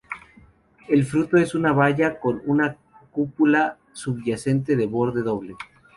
El fruto es una baya con una cúpula subyacente de borde doble.